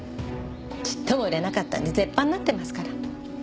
ちっとも売れなかったんで絶版になってますから。